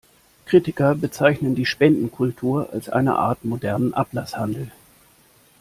Kritiker bezeichnen die Spendenkultur als eine Art modernen Ablasshandel.